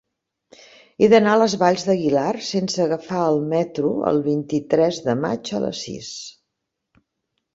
He d'anar a les Valls d'Aguilar sense agafar el metro el vint-i-tres de maig a les sis.